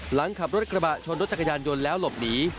หลังขับรถกระบะชนรถจักรยานยนต์แล้วหลบหนี